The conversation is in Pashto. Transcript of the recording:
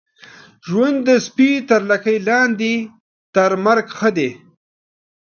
ژوند د سپي تر لکۍ لاندي ، تر مرګ ښه دی.